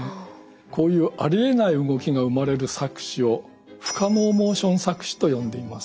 こういうありえない動きが生まれる錯視を不可能モーション錯視と呼んでいます。